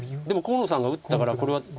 でも河野さんが打ったからこれは。